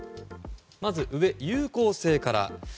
まず有効性から。